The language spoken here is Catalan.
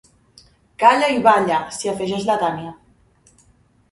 Calla i balla —s'hi afegeix la Tània.